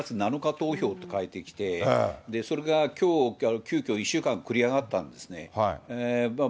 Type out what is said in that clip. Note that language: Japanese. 投票と書いてきて、それがきょう、急きょ、１週間繰り上がったんですね。